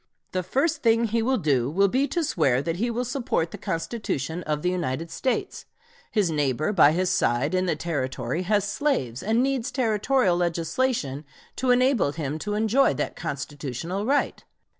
The first thing he will do will be to swear that he will support the Constitution of the United States. His neighbor by his side in the Territory has slaves and needs Territorial legislation to enable him to enjoy that constitutional right.